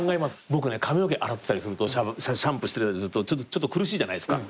僕ね髪の毛洗ってたりするとシャンプーしてる間ちょっと苦しいじゃないですか。